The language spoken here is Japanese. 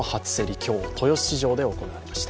今日、豊洲市場で行われました。